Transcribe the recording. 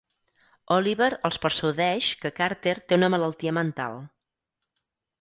Oliver els persuadeix que Carter té una malaltia mental.